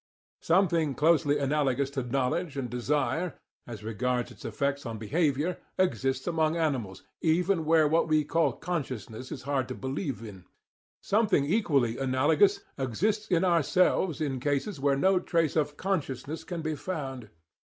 Something closely analogous to knowledge and desire, as regards its effects on behaviour, exists among animals, even where what we call "consciousness" is hard to believe in; something equally analogous exists in ourselves in cases where no trace of "consciousness" can be found.